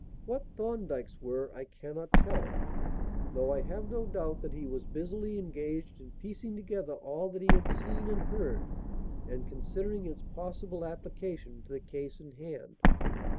What Thorndyke's were I cannot tell, though I have no doubt that he was busily engaged in piecing together all that he had seen and heard and considering its possible application to the case in hand.